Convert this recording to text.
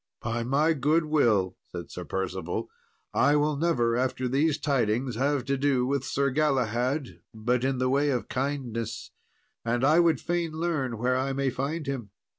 "By my goodwill," said Sir Percival, "I will never after these tidings have to do with Sir Galahad but in the way of kindness; and I would fain learn where I may find him."